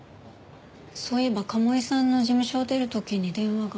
そういえば鴨居さんの事務所を出る時に電話が。